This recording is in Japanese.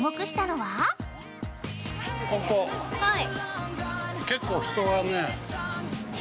◆はい！